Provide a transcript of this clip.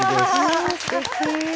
すてき。